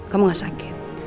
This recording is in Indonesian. kamu gak sakit